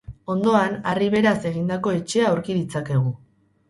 Ondoan, harri beraz egindako etxea aurki ditzakegu.